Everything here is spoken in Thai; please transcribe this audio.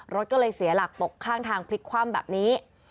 รถก็เลยเสียหลักตกข้างทางพลิกคว่ำแบบนี้